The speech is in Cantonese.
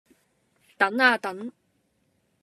等呀等！